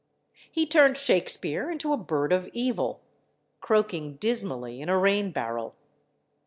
He turned Shakespeare into a bird of evil, croaking dismally in a rain barrel.